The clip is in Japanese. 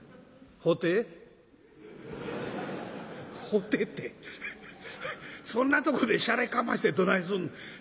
「ほてぇってそんなとこでシャレかましてどないすんねん。